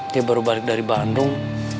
dia baru balik dari bandung